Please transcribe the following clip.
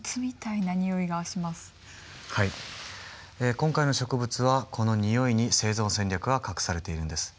今回の植物はこのにおいに生存戦略が隠されているんです。